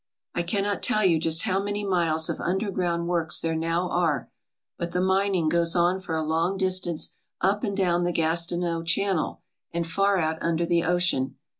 I can not tell you just how many miles of underground works there now are, but the mining goes on for a long distance up and down the Gastineau Channel and far out under the ocean.